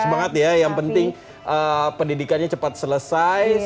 semangat ya yang penting pendidikannya cepat selesai